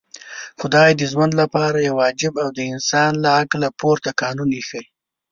خدای د ژوند لپاره يو عجيب او د انسان له عقله پورته قانون ايښی.